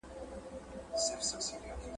مستۍ ځه الله دي مل سه، نن خُمار ته غزل لیکم `